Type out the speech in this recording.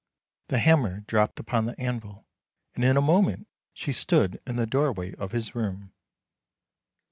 The hammer dropped upon the anvil, and, in a moment, she stood in the doorway of his room.